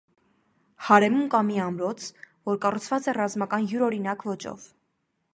Հարեմում կա մի ամրոց, որ կառուցված է ռազմական յուրօրինակ ոճով։